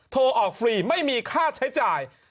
โทรออกฟรีไม่มีค่าใช้จ่าย